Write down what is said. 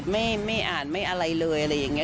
ไม่อ่านไม่อะไรเลยอะไรอย่างนี้